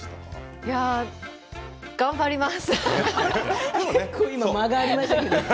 いや頑張ります。